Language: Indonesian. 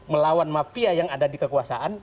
melawan mafia yang ada di kekuasaan